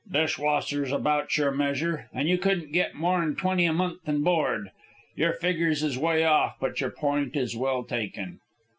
"Dish washin's about your measure, an' you couldn't get more'n twenty a month an' board. Your figgers is 'way off, but your point is well taken.